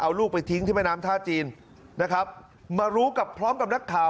เอาลูกไปทิ้งที่แม่น้ำท่าจีนนะครับมารู้กับพร้อมกับนักข่าว